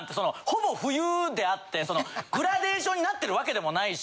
ほぼ冬であってグラデーションになってる訳でもないし。